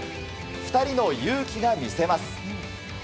２人のユウキが見せます。